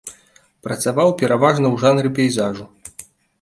Працаваў пераважна ў жанры пейзажу.